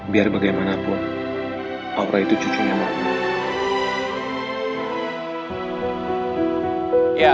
biar bagaimanapun aura itu cucunya mau